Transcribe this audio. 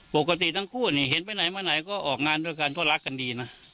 ปกติทั้งคู่นี่เห็นไปไหนมาไหนก็ออกงานด้วยกันก็รักกันดีนะ